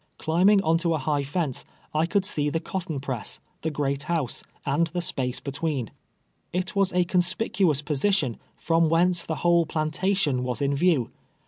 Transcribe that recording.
Climbing on to a high fence, I could see the cotton press, the great house, and the space between. 13G TWELVE YEARS A SLA\i:. It "sviisa citnspic\ious position, from whence the whole plantation was in view.